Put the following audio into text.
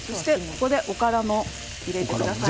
ここで、おからも入れてください。